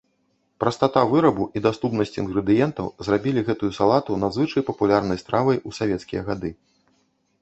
Прастата вырабу і даступнасць інгрэдыентаў зрабілі гэтую салату надзвычай папулярнай стравай у савецкія гады.